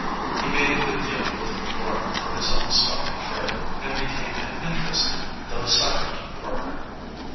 He made a good deal with Gorham for his own stock in trade, and became an interested, though silent, partner.